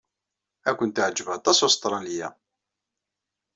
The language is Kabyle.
Ad kent-teɛjeb aṭas Ustṛalya.